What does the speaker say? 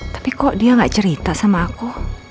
tapi kok dia gak cerita sama aku